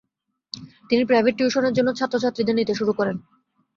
তিনি প্রাইভেট টিউশনের জন্য ছাত্রছাত্রীদের নিতে শুরু করেন।